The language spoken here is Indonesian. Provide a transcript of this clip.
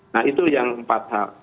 nah itu yang empat hal